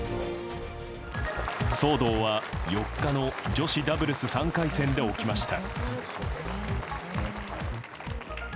騒動は、４日の女子ダブルス３回戦で起きました。